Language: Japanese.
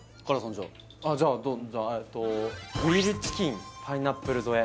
じゃあじゃあえっとグリルチキンパイナップル添え